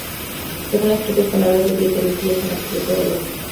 Según las propias palabras de Dieter incluidas en la cubierta del álbum.